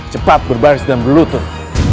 cepat berbaris dan berlutut